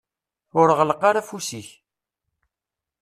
Ur ɣelleq ara afus-ik.